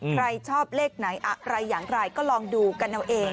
ใครชอบเลขไหนอะไรอย่างไรก็ลองดูกันเอาเอง